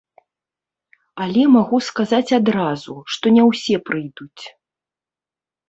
Але магу сказаць адразу, што не ўсе прыйдуць.